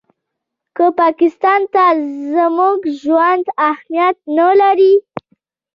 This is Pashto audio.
که پاکستان ته زموږ ژوند اهمیت نه لري.